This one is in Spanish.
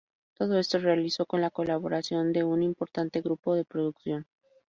Todo esto se realizó con la colaboración de un importante grupo de producción.